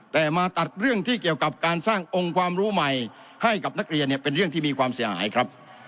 แต่มาตัดเรื่องที่เกี่ยวกับการสร้างองค์ความรู้ใหม่ให้กับนักเรียนเนี่ยเป็นเรื่องที่มีความเสียหายครับ